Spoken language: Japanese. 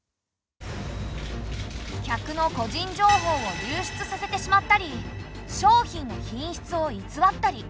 客の個人情報を流出させてしまったり商品の品質を偽ったり。